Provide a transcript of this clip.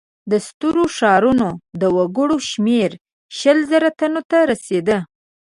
د سترو ښارونو د وګړو شمېر شل زره تنو ته رسېده.